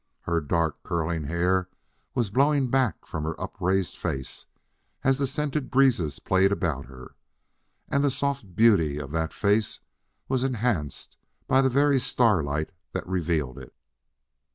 Her dark, curling hair was blowing back from her upraised face as the scented breezes played about her; and the soft beauty of that face was enhanced by the very starlight that revealed it.